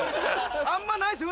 あんまないです